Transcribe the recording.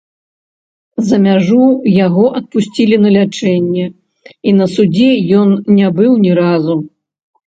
За мяжу яго адпусцілі на лячэнне, і на судзе ён не быў ні разу.